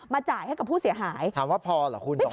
มาจ่ายให้กับผู้เสียหายถามว่าพอหรอคุณ๒๐๐๐๐๐บาท